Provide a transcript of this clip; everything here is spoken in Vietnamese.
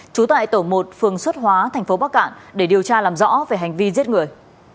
trú tại tổng một phường xuất hóa tp bắc cạn để điều tra làm rõ về hành vi giết người